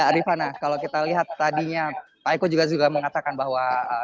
arifana kalau kita lihat tadinya pak eko juga mengatakan bahwa